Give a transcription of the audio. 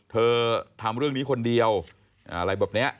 ทำเรื่องนี้คนเดียวอะไรแบบนี้